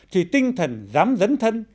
thì tinh thần dám dấn thân